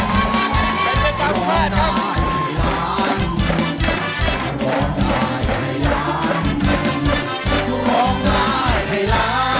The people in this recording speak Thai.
ยิ้มหวานน้ำตาลน้ำอ้อยเลยนะฮะ